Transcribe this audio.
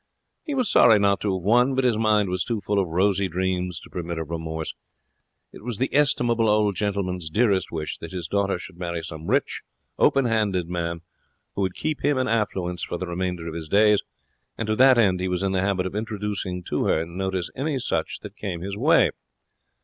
He was sorry not to have won, but his mind was too full of rosy dreams to permit of remorse. It was the estimable old gentleman's dearest wish that his daughter should marry some rich, open handed man who would keep him in affluence for the remainder of his days, and to that end he was in the habit of introducing to her notice any such that came his way.